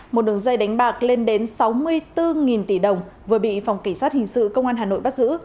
một đường dây đánh bạc lên đến sáu mươi bốn tỷ đồng vừa bị phòng kỳ sát hình sự công an hà nội bắt giữ